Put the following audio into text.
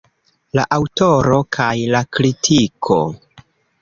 La aŭtoro kaj la kritiko.